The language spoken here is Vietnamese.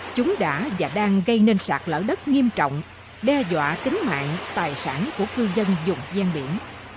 chúng đã và đang gây nên sạt lở đất nghiêm trọng đe dọa tính mạng tài sản của cư dân dùng gian biển